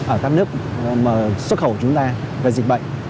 ở các nước xuất khẩu của chúng ta về dịch bệnh